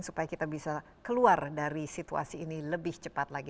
supaya kita bisa keluar dari situasi ini lebih cepat lagi